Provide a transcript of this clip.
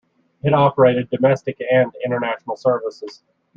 It operated domestic and international services.